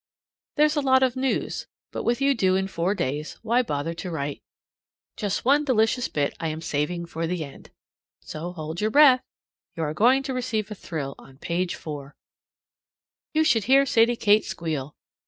There's a lot of news, but with you due in four days, why bother to write? Just one delicious bit I am saving for the end. So hold your breath. You are going to receive a thrill on page 4. You should hear Sadie Kate squeal!